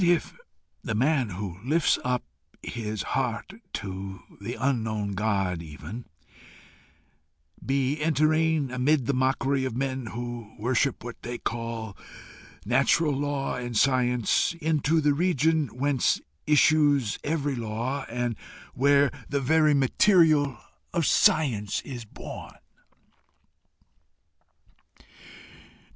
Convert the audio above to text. What if the man who lifts up his heart to the unknown God even, be entering, amid the mockery of men who worship what they call natural law and science, into the region whence issues every law, and where the very material of science is born!